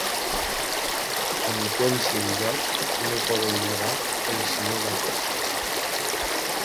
El temps i el lloc no poden lligar el Sr. Bucket.